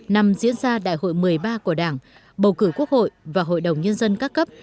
năm diễn ra đại hội một mươi ba của đảng bầu cử quốc hội và hội đồng nhân dân các cấp